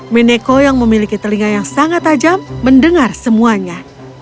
mineko yang memiliki telinga yang sangat tajam mendengar semuanya